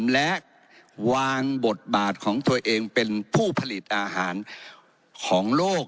และวางบทบาทของตัวเองเป็นผู้ผลิตอาหารของโลก